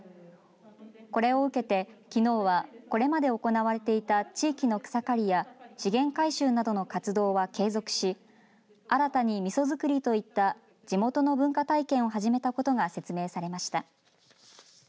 これを受けて、きのうはこれまで行われていた地域の草刈りや資源回収などの活動は継続し新たに、みそづくりといった地元の文化体験を始めたことが説明されました。